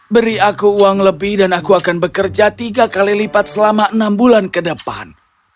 beri aku uang lebih dan aku akan bekerja tiga kali lipat selama enam bulan ke depan